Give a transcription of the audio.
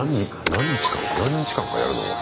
何日間かやるの？